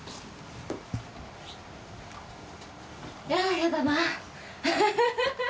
ややだな。